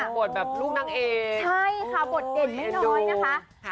บทแบบลูกนางเอกใช่ค่ะบทเด่นไม่น้อยนะคะ